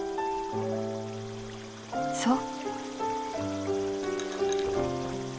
そう。